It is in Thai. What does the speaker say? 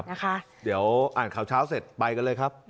เดี๋ยวอ่านข่าวเช้าเสร็จไปกันเลยครับ